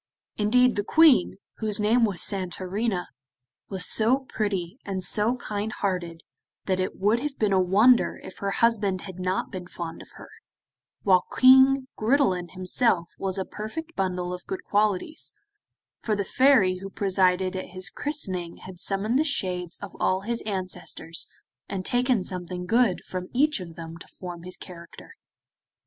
Indeed the Queen, whose name was Santorina, was so pretty and so kind hearted that it would have been a wonder if her husband had not been fond of her, while King Gridelin himself was a perfect bundle of good qualities, for the Fairy who presided at his christening had summoned the shades of all his ancestors, and taken something good from each of them to form his character.